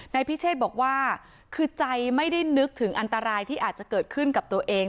พิเชษบอกว่าคือใจไม่ได้นึกถึงอันตรายที่อาจจะเกิดขึ้นกับตัวเอง